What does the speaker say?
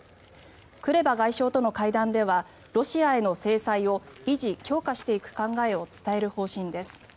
クレバ外相との会談ではロシアへの制裁を維持・強化していく考えを伝える方針です。